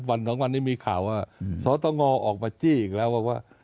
สองวันนี้มีข่าวว่าสตงออกมาจี้อีกแล้วว่า